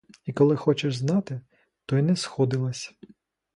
І коли хочеш знати, то й не сходились.